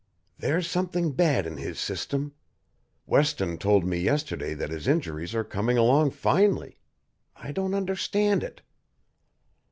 There's something bad in his system. Weston told me yesterday that his injuries are coming along finely. I don't understand it."